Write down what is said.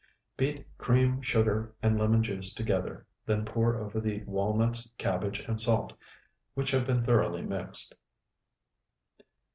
Beat cream, sugar, and lemon juice together; then pour over the walnuts, cabbage, and salt, which have been thoroughly mixed.